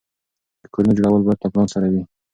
د کورونو جوړول باید له پلان سره وي.